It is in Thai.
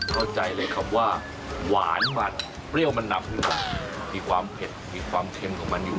เข้าใจเลยครับว่าหวานมันเปรี้ยวมันนำขึ้นมามีความเผ็ดมีความเค็มของมันอยู่